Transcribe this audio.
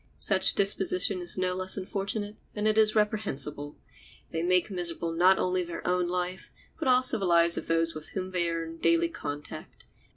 Such disposition is no less unfortunate than it is reprehensible. They make miserable not only their own life, but also the lives of those with whom they are in daily contact.